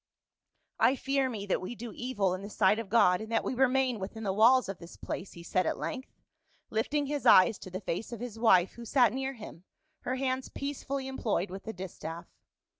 " I fear me that we do evil in the sight of God in that we remain within the walls of this place," he said at length, lifting his eyes to the face of his wife who sat near him, her hands peacefully employed with the distaff.